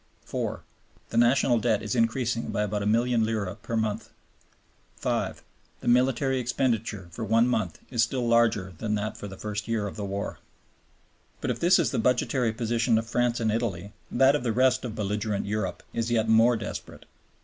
(4) The National Debt is increasing by about a milliard lire per month. (5) The military expenditure for one month is still larger than that for the first year of the war. But if this is the budgetary position of France and Italy, that of the rest of belligerent Europe is yet more desperate.